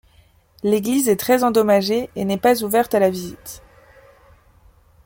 L'église est très endommagée et n'est pas ouverte à la visite.